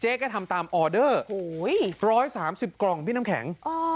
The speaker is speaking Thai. ก็ทำตามออเดอร์๑๓๐กล่องพี่น้ำแข็ง